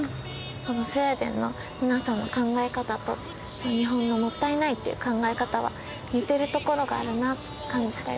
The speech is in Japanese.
このスウェーデンの皆さんの考え方と日本の「もったいない」っていう考え方は似てるところがあるなと感じたよ。